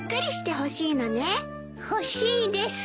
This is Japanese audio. ほしいです。